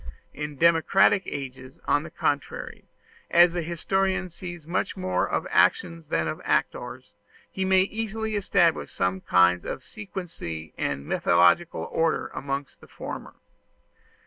In democratic ages, on the contrary, as the historian sees much more of actions than of actors, he may easily establish some kind of sequency and methodical order amongst the former.